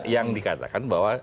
yang dikatakan bahwa